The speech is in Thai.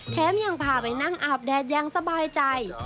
แถมยังพาไปนั่งอาบแดดยังสบายใจ